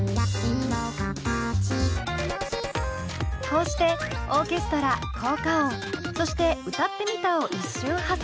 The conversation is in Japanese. こうしてオーケストラ効果音そして「歌ってみた」を一瞬挟み。